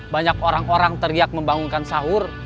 banyak orang orang teriak membangunkan sahur